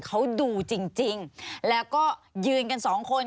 เขาดูจริงแล้วก็ยืนกันสองคน